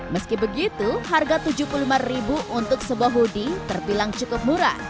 meski begitu harga rp tujuh puluh lima untuk sebuah hoodie terbilang cukup murah